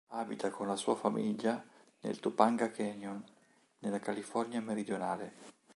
Abita con la sua famiglia nel Topanga Canyon, nella California meridionale.